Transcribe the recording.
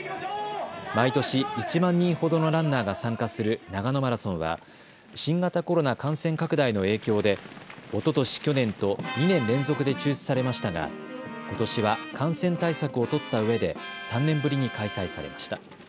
毎年１万人ほどのランナーが参加する長野マラソンは新型コロナ感染拡大の影響でおととし、去年と２年連続で中止されましたがことしは感染対策を取ったうえで３年ぶりに開催されました。